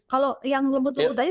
kalau yang lembut lembut aja